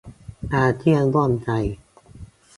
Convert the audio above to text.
อาเซียนร่วมใจ